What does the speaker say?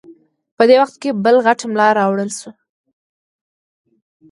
په دې وخت کې بل غټ ملا راولاړ شو.